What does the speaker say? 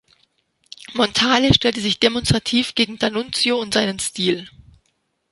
Montale stellte sich demonstrativ gegen D’Annunzio und seinen Stil.